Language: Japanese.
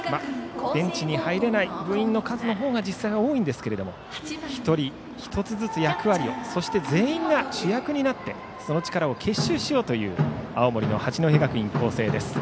ベンチに入れない部員の数のほうが実際多いんですが１人１つずつ役割をそして全員が主役になってその力を結集しようという青森・八戸学院光星。